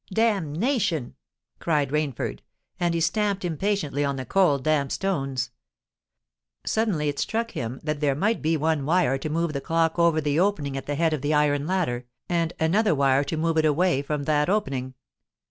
"Damnation!" cried Rainford; and he stamped impatiently on the cold, damp stones. Suddenly it struck him that there might be one wire to move the clock over the opening at the head of the iron ladder, and another wire to move it away from that opening.